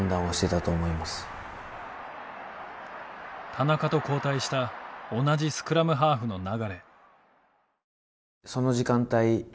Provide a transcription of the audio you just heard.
田中と交代した同じスクラムハーフの流。